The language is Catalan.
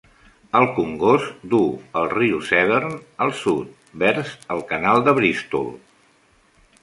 El congost duu el riu Severn al sud, vers el canal de Bristol.